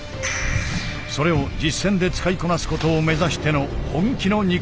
それを実戦で使いこなすことを目指しての本気の肉弾戦。